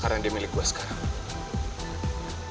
karena dia milik gue sekarang